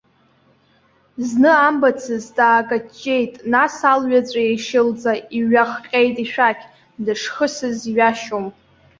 Зны амцабз аакаҷҷеит, нас алҩаҵә еишьылӡа иҩахҟьеит ишәақь, дышхысыз ҩашьом.